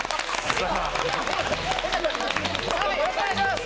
よろしくお願いします！